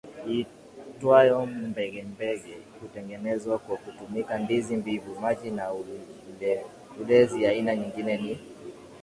iitwayo mbege Mbege hutengenezwa kwa kutumia ndizi mbivu maji na uleziAina nyingine ni